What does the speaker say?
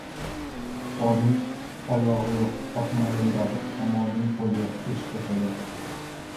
• Oyning oyog‘i yo‘q — osmonda yuradi, shamolning qo‘li yo‘q — eshik ochadi.